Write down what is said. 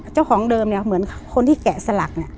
เจ้าของเดิมเหมือนคนที่แกะสลัก